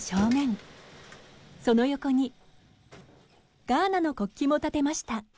その横にガーナの国旗も立てました。